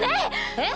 ⁉えっ？